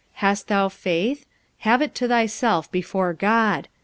45:014:022 Hast thou faith? have it to thyself before God.